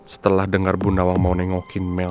setelah denger bunda wang mau nengokin mel